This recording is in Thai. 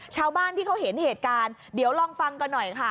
ชาวบ้านที่เขาเห็นเหตุการณ์เดี๋ยวลองฟังกันหน่อยค่ะ